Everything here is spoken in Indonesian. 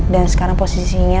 dan sekarang posisinya